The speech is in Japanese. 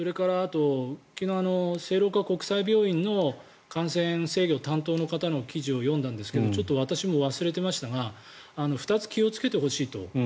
昨日、聖路加国際病院で感染制御担当の方の記事を読んだんですけどちょっと私も忘れていましたが２つ、気をつけてほしいと。